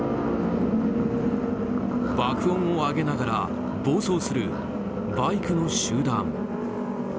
爆音を上げながら暴走するバイクの集団。